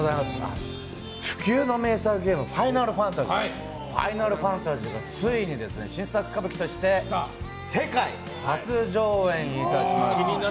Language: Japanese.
不朽の名作ゲーム「ファイナルファンタジー」がついに新作歌舞伎として世界初上演いたします。